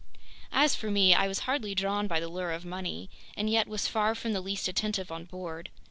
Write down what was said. As for me, I was hardly drawn by the lure of money and yet was far from the least attentive on board.